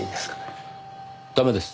駄目です。